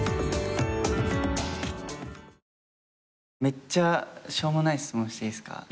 めっちゃしょうもない質問していいですか？